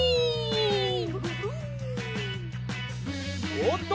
おおっと！